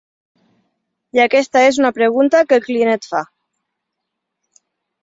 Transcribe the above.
I aquesta és una pregunta que el client et fa.